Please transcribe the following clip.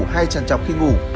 hay tràn trọc khi ngủ